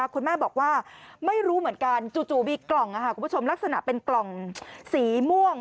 คุณแม่บอกว่าไม่รู้เหมือนกันจู่มีกล่องคุณผู้ชมลักษณะเป็นกล่องสีม่วง